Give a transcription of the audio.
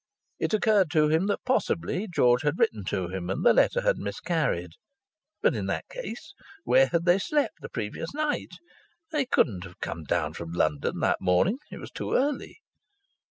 It occurred to him that possibly George had written to him and the letter had miscarried. But in that case, where had they slept the previous night? They could not have come down from London that morning; it was too early.